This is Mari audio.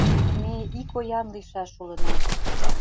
Ме ик оян лийшаш улына.